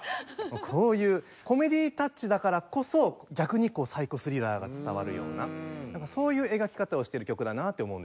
こういうコメディータッチだからこそ逆にこうサイコスリラーが伝わるようなそういう描き方をしてる曲だなって思うんです。